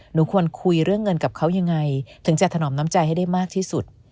หนูควรคุยเรื่องเงินกับเขายังไงถึงจะถนอมน้ำใจให้ได้มากที่สุด